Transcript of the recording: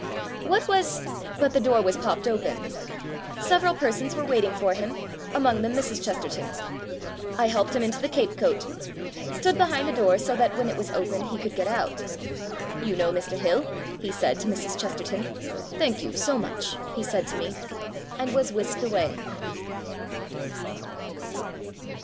What was But the door was popped open. Several persons were waititig for him, among them Mrs. Chesterton. I helped him into the cape coat. Stood behind the door so that when it was opened he could get out. "You know Mr. Hill," he said to Mrs. Chesterton. "Thank you, so much," he said to me. And was whisked away.